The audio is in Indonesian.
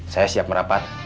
saya siap merapat